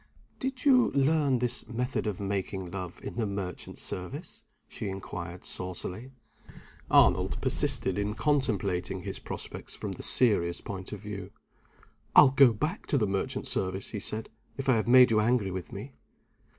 "Did you learn this method of making love in the merchant service?" she inquired, saucily. Arnold persisted in contemplating his prospects from the serious point of view. "I'll go back to the merchant service," he said, "if I have made you angry with me."